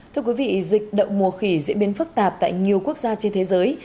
thưa quý vị dịch động mùa khỉ diễn biến phức tạp tại nhiều quốc gia trên thế giới